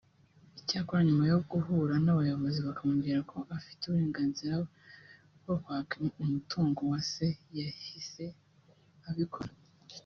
Icyakora nyuma yo guhura n’abayobozi bakamubwira ko afite uburenganzira bwo kwaka umutungo wa se yahise abikora